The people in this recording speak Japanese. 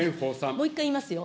もう一回言いますよ。